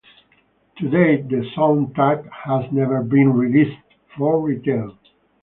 To date the soundtrack has never been released for retail.